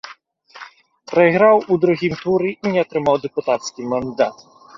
Прайграў у другім туры і не атрымаў дэпутацкі мандат.